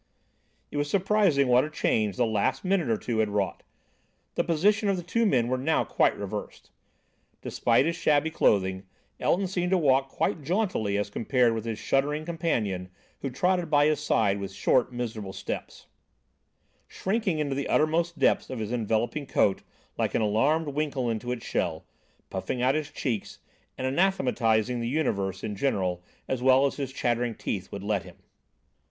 It was surprising what a change the last minute or two had wrought. The positions of the two men were now quite reversed. Despite his shabby clothing, Elton seemed to walk quite jauntily as compared with his shuddering companion who trotted by his side with short miserable steps, shrinking into the uttermost depths of his enveloping coat, like an alarmed winkle into its shell, puffing out his cheeks and anathematising the Universe in general as well as his chattering teeth would let him.